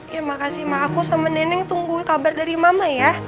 ya makasih mak aku sama neneng tunggu kabar dari mama ya